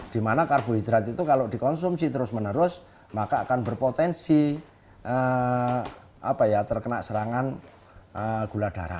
di mana karbohidrat itu kalau dikonsumsi terus menerus maka akan berpotensi terkena serangan gula darah